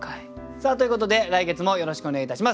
さあということで来月もよろしくお願いいたします。